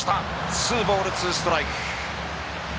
ツーボール、ツーストライク。